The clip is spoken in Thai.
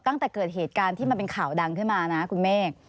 ตั้งแต่เกิดเหตุการณ์ที่มันเป็นข่าวดังขึ้นมานะคุณเมฆ